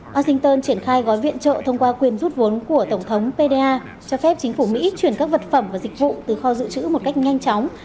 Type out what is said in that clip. washington triển khai gói viện trợ thông qua quyền rút vốn của tổng thống pda cho phép chính phủ mỹ chuyển các vật phẩm và dịch vụ từ kho dự trữ một cách nhanh chóng